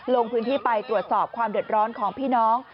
ลงพื้นที่ไปตรวจสอบความเดือดร้อนของพี่น้อง